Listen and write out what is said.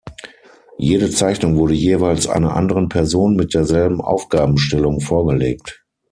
Jede Zeichnung wurde jeweils "einer anderen Person mit derselben Aufgabenstellung" vorgelegt.